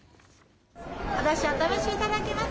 お試しいただけます